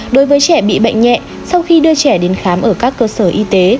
đối với trẻ bị bệnh nhẹ sau khi đưa trẻ đến khám ở các cơ sở y tế